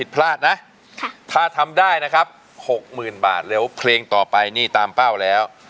พลาดนะถ้าทำได้นะครับ๖๐๐๐บาทเร็วเพลงต่อไปนี่ตามเป้าแล้ว